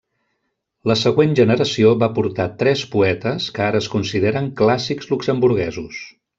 La següent generació va portar tres poetes que ara es consideren clàssics luxemburguesos.